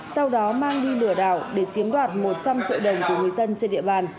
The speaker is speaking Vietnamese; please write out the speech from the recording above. sau đó mang đi lừa đảo để chiếm đoạt một trăm linh triệu đồng của người dân trên địa bàn